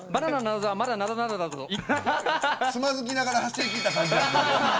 つまずきながら走りきった感じやな。